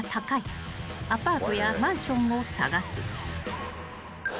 ［アパートやマンションを探す］